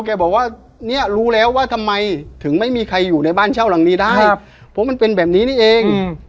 แกบอกว่าเนี่ยรู้แล้วว่าทำไมถึงไม่มีใครอยู่ในบ้านเช่าหลังนี้ได้เพราะมันเป็นแบบนี้นี่เอง